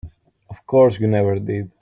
Of course you never did.